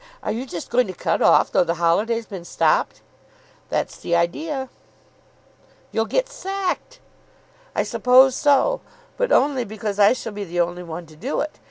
Are you just going to cut off, though the holiday's been stopped?" "That's the idea." "You'll get sacked." "I suppose so. But only because I shall be the only one to do it.